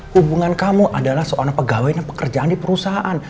hubungan kamu adalah seorang pegawai dan pekerjaan di perusahaan